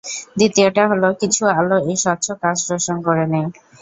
দ্বিতীয়টা হলো, কিছু আলো এই স্বচ্ছ কাচ শোষণ করে নেয়।